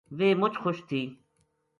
ویہ مُچ خوش تھی